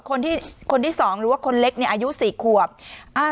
คนที่คนที่สองหรือว่าคนเล็กเนี่ยอายุสี่ขวบอ่า